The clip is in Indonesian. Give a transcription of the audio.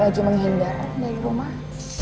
lagi menghindar dari rumah